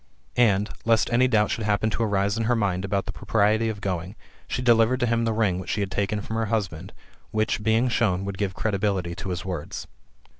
And, lest any doubt should happen to arise in her mind about the propriety of going, she delivered to him the ring which she had taken from her husband, which, being shown, would give credibility to his words.